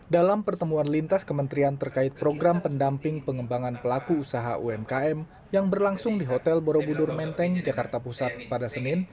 dalam pertemuan lintas kementerian terkait program pendamping pengembangan pelaku usaha umkm yang berlangsung di hotel borobudur menteng jakarta pusat pada senin